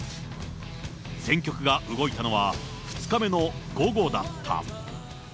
戦局が動いたのは、２日目の午後だった。